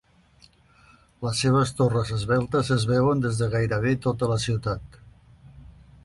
Les seves torres esveltes es veuen des de gairebé tota la ciutat.